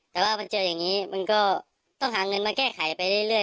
แต่ว่ามันเจออย่างนี้มันก็ต้องหาเงินมาแก้ไขไปเรื่อย